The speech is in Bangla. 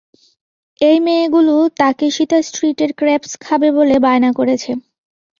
এই মেয়েগুলো তাকেশিতা স্ট্রিটের ক্রেপস খাবে বলে বায়না করেছে।